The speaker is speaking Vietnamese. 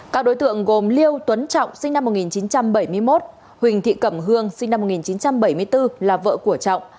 các đối tượng gồm liêu tuấn trọng sinh năm một nghìn chín trăm bảy mươi một huỳnh thị cẩm hương sinh năm một nghìn chín trăm bảy mươi bốn là vợ của trọng